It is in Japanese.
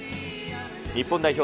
日本代表